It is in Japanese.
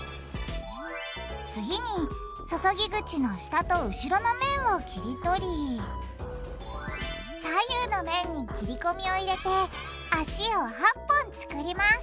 次に注ぎ口の下と後ろの面を切りとり左右の面に切りこみを入れて脚を８本作ります